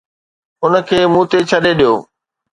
ان کي مون تي ڇڏي ڏيو